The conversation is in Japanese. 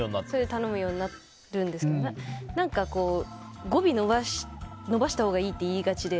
頼むようになるんですけど何か語尾伸ばしたほうがいいって言いがちで。